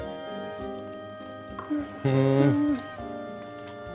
うん。